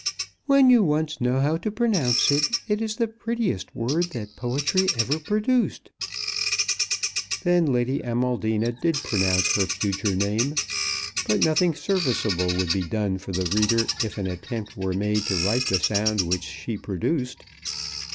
"When you once know how to pronounce it it is the prettiest word that poetry ever produced!" Then Lady Amaldina did pronounce her future name; but nothing serviceable would be done for the reader if an attempt were made to write the sound which she produced.